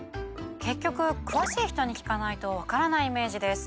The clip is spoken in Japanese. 結局詳しい人に聞かないとわからないイメージです。